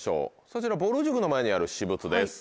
そちらぼる塾の前にある私物です。